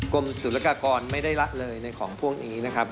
กรมศูนยากากรไม่ได้ละเลยในของพวกนี้นะครับ